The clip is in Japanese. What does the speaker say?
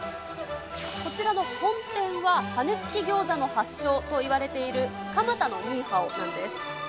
こちらの本店は、羽根付きギョーザの発祥といわれている蒲田のニーハオなんです。